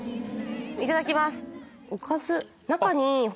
いただきます。